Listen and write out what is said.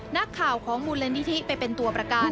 นักข่าวของมูลนิธิไปเป็นตัวประกัน